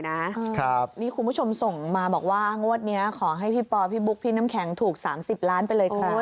นี่คุณผู้ชมส่งมาบอกว่างวดนี้ขอให้พี่ปอพี่บุ๊คพี่น้ำแข็งถูก๓๐ล้านไปเลยครับ